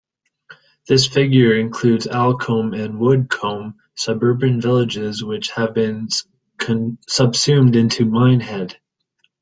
This figure includes Alcombe and Woodcombe, suburban villages which have been subsumed into Minehead.